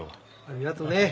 ありがとね。